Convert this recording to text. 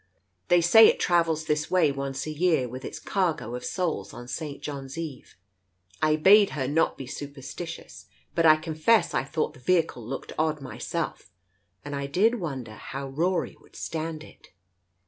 They say it travels this way once a year, with its cargo of souls, on St. John's Eve/ I bade her not be superstitious, but I confess I thought the vehicle looked odd myself, and I did wonder how Rory would stand it.